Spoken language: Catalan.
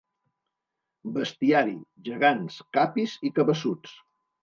Bestiari, gegants, capis i cabeçuts.